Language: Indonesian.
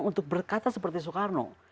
untuk berkata seperti soekarno